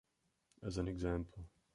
As an example.